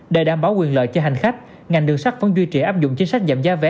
để đảm bảo quyền lợi cho hành khách ngành đường sắt vẫn duy trì áp dụng chính sách giảm giá vé